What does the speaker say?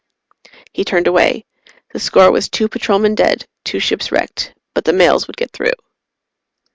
He turned away. The score was two Patrolmen dead, two ships wrecked but the mails would get through.